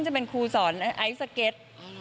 จะเป็นครูสอนไอสเก็ต